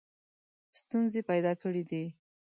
ستونزې پیدا کړي دي.